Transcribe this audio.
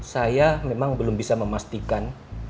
saya memang belum bisa memastikan